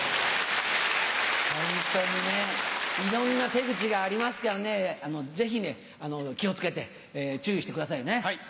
本当にね、いろんな手口がありますからね、ぜひね、気をつけて、注意してくださいね。